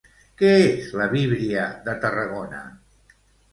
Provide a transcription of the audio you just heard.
Què és la Víbria de Tarragona?